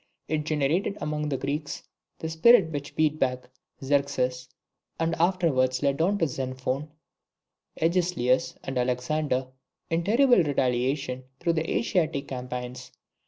It generated among the Greeks the spirit which beat back Xerxes, and afterwards led on Xenophon, Agesilaus, and Alexander, in terrible retaliation, through their Asiatic campaigns.